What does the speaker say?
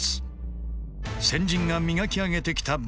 先人が磨き上げてきた武術の円。